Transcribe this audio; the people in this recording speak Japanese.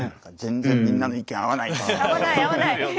全然みんなの意見合わないんですよ。